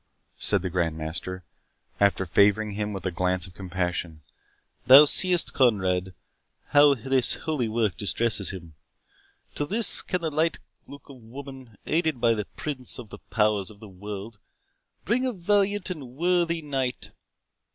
said the Grand Master, after favouring him with a glance of compassion. "Thou seest, Conrade, how this holy work distresses him. To this can the light look of woman, aided by the Prince of the Powers of this world, bring a valiant and worthy knight!